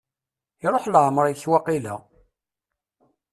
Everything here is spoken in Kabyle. Iruḥ leɛmer-ik, waqila?